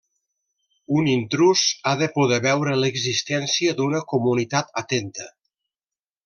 Un intrús ha de poder veure l'existència d'una comunitat atenta.